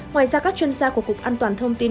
ngoài ra các chuyên gia của cục an toàn thông tin